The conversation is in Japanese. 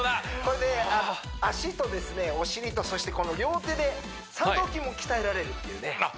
これで脚とですねお尻とそしてこの両手で三頭筋も鍛えられるっていうね